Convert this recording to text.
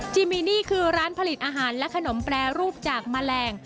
ที่มีนี่คือร้านผลิตอาหารและขนมแปรรูปจากแมลง